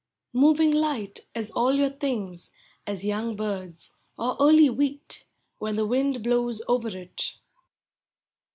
Moving light, as all your things, As young birds, or early wheat, When the wind blows over it.